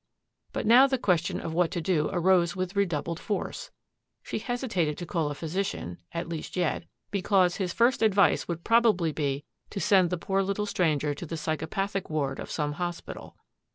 But now the question of what to do arose with redoubled force. She hesitated to call a physician, at least yet, because his first advice would probably be to send the poor little stranger to the psychopathic ward of some hospital.